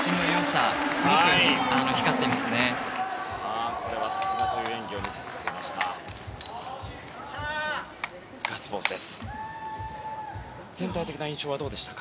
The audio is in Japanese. さすがという演技を見せてくれました。